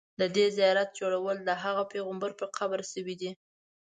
د دې زیارت جوړول د هغه پیغمبر په قبر شوي دي.